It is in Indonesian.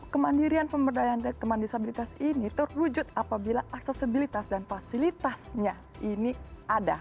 kemandirian pemberdayaan dari teman disabilitas ini terwujud apabila aksesibilitas dan fasilitasnya ini ada